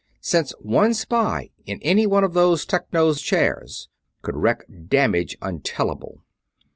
since one spy, in any one of those Technos' chairs, could wreak damage untellable.